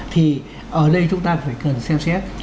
thì ở đây chúng ta phải cần xem xét